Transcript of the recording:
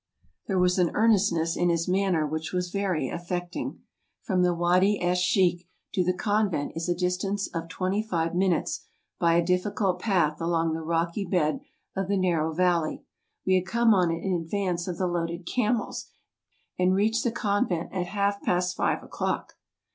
There was an ear 222 MOUNTAIN ADVENT^UKES. nestness in his manner which was very affecting'. From the Wady esh Sheikh to the convent is a dis¬ tance of twenty five minutes by a difficult path along the rocky bed of the narrow valley. We had come on in advance of the loaded camels, and reached the convent at half past five o'clock.